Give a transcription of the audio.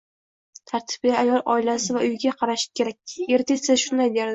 Tartibli ayol oilasi va uyiga qarashi kerak, eri tez-tez shunday derdi